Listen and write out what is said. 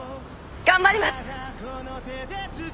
頑張ります！